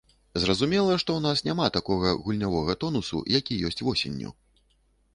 Зразумела, што ў нас няма таго гульнявога тонусу, які ёсць восенню.